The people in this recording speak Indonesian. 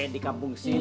di kampung sini